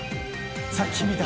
さっき見た。